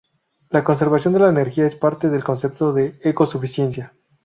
La conservación de la energía es parte del concepto de eco-suficiencia.